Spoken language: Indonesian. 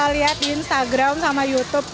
lihat di instagram sama youtube